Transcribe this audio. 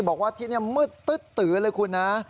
บอกว่าที่นี่มืดตื้อเลยคุณนะ